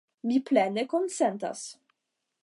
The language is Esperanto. Mi plene konsentas!